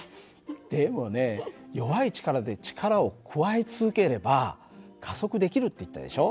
でもね弱い力で力を加え続ければ加速できるって言ったでしょ。